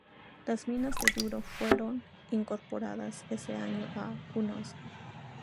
Las minas de Duro fueron incorporadas ese año a Hunosa.